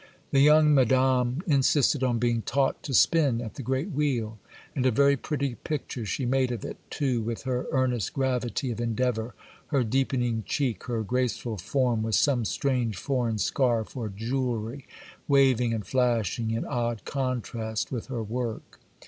The young Madame insisted on being taught to spin at the great wheel; and a very pretty picture she made of it, too, with her earnest gravity of endeavour, her deepening cheek, her graceful form, with some strange foreign scarf or jewelry waving and flashing in odd contrast with her work.